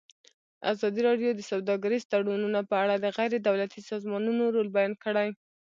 ازادي راډیو د سوداګریز تړونونه په اړه د غیر دولتي سازمانونو رول بیان کړی.